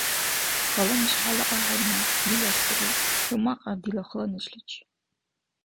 – Хала неш хӀела ахӀенну, дила сари. ХӀу мякьяд дила хала нешличи!